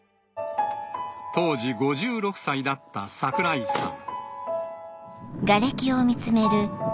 当時５６歳だった櫻井さん。